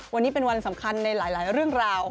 วันนี้เป็นวันสำคัญในหลายเรื่องราว